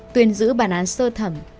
tuyên giữ bản án sơ thẩm